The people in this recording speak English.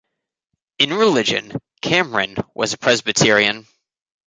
In religion, Cameron was a Presbyterian.